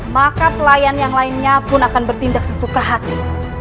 maka pelayan yang lainnya pun akan bertindak sesuka hati